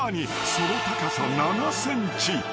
［その高さ７ｃｍ］